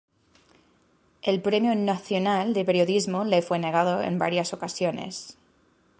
El Premio Nacional de Periodismo le fue negado en varias ocasiones.